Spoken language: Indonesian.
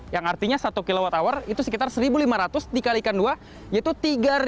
yang artinya satu kwh itu sekitar satu lima ratus dikalikan dua yaitu tiga